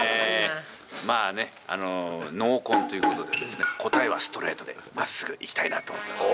まあね、濃紺ということでですね、答えはストレートでまっすぐいきたいなと思ってます。